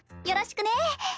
よろしくね。